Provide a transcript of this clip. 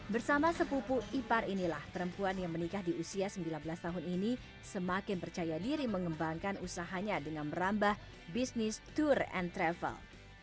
bersama sepupu ipar inilah perempuan yang menikah di usia sembilan belas tahun ini semakin percaya diri mengembangkan usahanya dengan merambah bisnis tour and travel